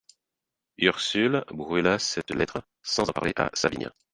Ursule brûla cette lettre sans en parler à Savinien.